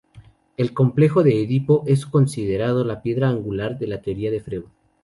El complejo de Edipo es considerado la piedra angular de la teoría de Freud.